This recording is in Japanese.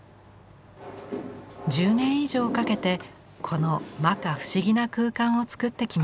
１０年以上かけてこのまか不思議な空間を作ってきました。